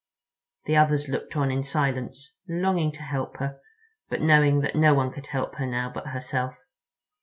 The others looked on in silence, longing to help her, but knowing that no one could help her now but herself.